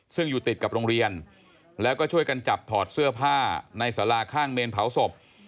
ซึ่งอยู่ติดกับโรงเรียนแล้วก็ช่วยกันจับถอดเสื้อผ้าในสาราข้างเมนเผาศพ